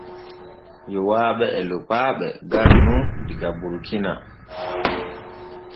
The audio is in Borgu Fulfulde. Yowaaɓe e Lokpaaɓe garu nun diga Burkina.